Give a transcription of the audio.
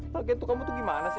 lagi itu kamu tuh gimana sih